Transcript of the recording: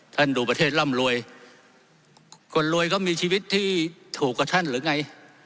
ดูประเทศร่ำรวยคนรวยก็มีชีวิตที่ถูกกว่าท่านหรือไง